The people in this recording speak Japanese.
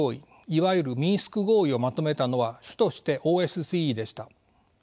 いわゆるミンスク合意をまとめたのは主としてＯＳＣＥでした。